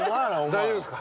大丈夫ですか？